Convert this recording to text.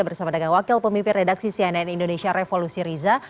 bersama dengan wakil pemimpin redaksi cnn indonesia revolusi riza